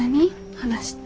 話って。